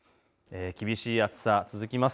厳しい暑さが続きます。